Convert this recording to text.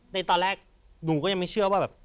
ในตอนแรกหนูก็ยังไม่เชื่อว่าแบบ